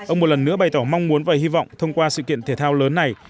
ông một lần nữa bày tỏ mong muốn và hy vọng thông qua sự kiện thể thao lớn này